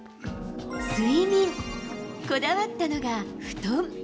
睡眠、こだわったのが布団。